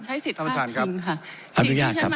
ท่านประธานครับอนุญาตครับ